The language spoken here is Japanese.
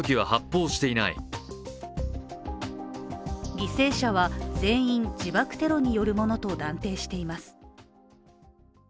犠牲者は全員、自爆テロによるものと断定しています。